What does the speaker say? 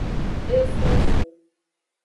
E fon fu.